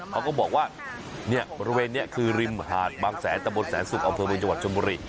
เขาก็บอกว่าเนี่ยบริเวณนี้คือริมหาดบางแสนตะบนแสนสุกอำเภอเมืองจังหวัดชนบุรี